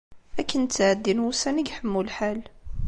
Akken ttɛeddin wussan i iḥemmu lḥal.